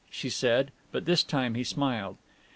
she said; but this time he smiled.